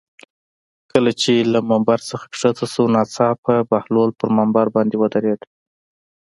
کله چې له ممبر نه ښکته شو ناڅاپه بهلول پر ممبر باندې ودرېد.